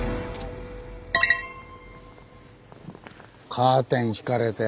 カーテン引かれて。